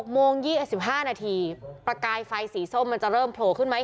โมง๒๕นาทีประกายไฟสีส้มมันจะเริ่มโผล่ขึ้นไหม